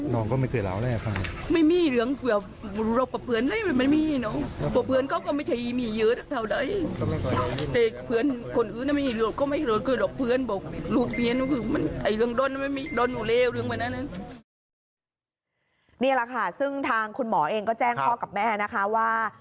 นี่แหละค่ะซึ่งทางคุณหมอเองก็แจ้งพ่อกับแม่นะคะว่า